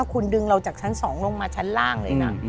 คุณดึงเราจากชั้น๒ลงมาชั้นล่างเลยนะ